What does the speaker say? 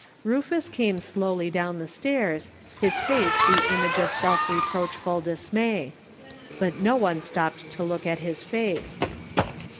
Rufus came slowly down the stairs, his face the image of self reproachful dismay. But no one stopped to look at his face.